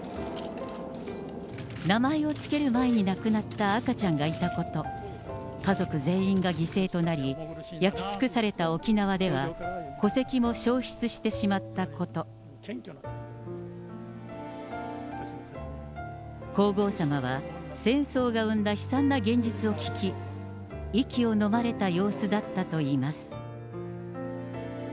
名前を付ける前に亡くなった赤ちゃんがいたこと、家族全員が犠牲となり、焼き尽くされた沖縄では、戸籍も焼失してしまったこと、皇后さまは戦争が生んだ悲惨な現実を聞き、息をのまれた様子だったといいます。